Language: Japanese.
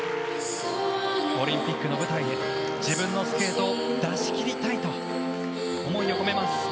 オリンピックの舞台で、自分のスケートを出しきりたいと、思いを込めます。